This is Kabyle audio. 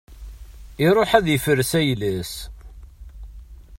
Iruḥ ad yefres ayla-s.